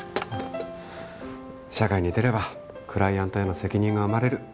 社会に出ればクライアントへの責任が生まれる。